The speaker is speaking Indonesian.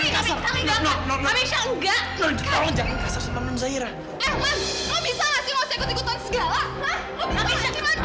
kamisya udah jangan sakitin arman